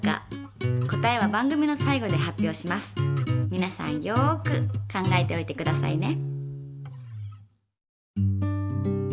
みなさんよく考えておいてくださいね。